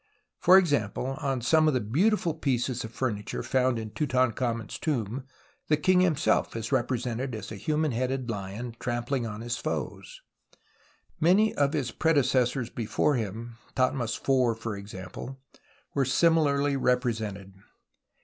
For example, on some of the beautiful pieces of furniture found in Tutan khamen's tomb the king himself is represented as a hi? man headed lion trampling on his foes, and many of his predecessors before him, Thothmes IV^ for example, were similarly represented.